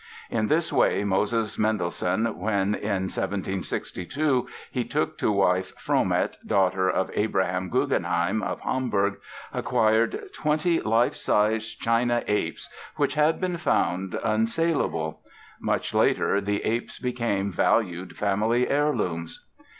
In this way Moses Mendelssohn when in 1762 he took to wife Fromet, daughter of Abraham Gugenheim, of Hamburg, acquired twenty life sized china apes which had been found unsaleable. Much later the apes became valued family heirlooms.